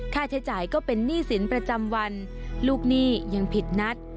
ค่าใช้จ่ายก็เป็นหนี้สินประจำวันลูกหนี้ยังผิดนัด